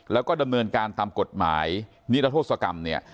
แล้วก็ดำเนินการตามกฎหมายนิรโทษกรรมเนี่ย